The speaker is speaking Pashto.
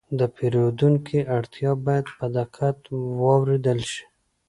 د پیرودونکي اړتیا باید په دقت واورېدل شي.